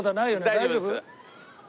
大丈夫です。